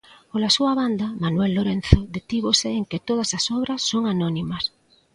Pola súa banda, Manuel Lorenzo detívose en que todas as obras son anónimas.